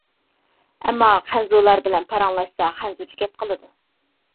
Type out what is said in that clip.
ئەمما خەنزۇلار بىلەن پاراڭلاشسا خەنزۇچە گەپ قىلىدۇ.